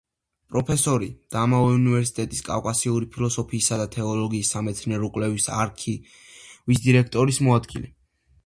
პროფესორი და ამავე უნივერსიტეტის კავკასიური ფილოსოფიისა და თეოლოგიის სამეცნიერო-კვლევითი არქივის დირექტორის მოადგილე.